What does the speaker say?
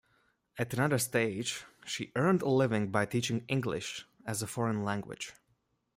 At another stage she earned a living by teaching English as a foreign language.